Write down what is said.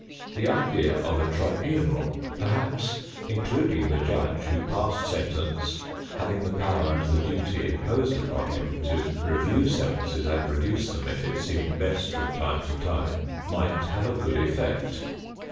The idea of a tribunal, perhaps including the judge who passed sentence, having the power and the duty imposed upon him to review sentences and reduce them if it seemed best from time to time, might have a good effect.